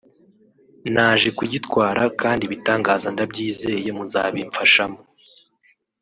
naje kugitwara kandi Ibitangaza ndabyizeye muzabimfashamo